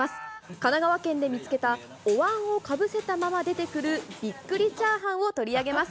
神奈川県で見つけたおわんをかぶせたまま出てくるびっくりチャーハンを取り上げます。